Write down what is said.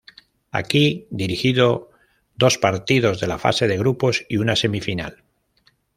Aquí dirigido dos partidos de la fase de grupos y una semifinal.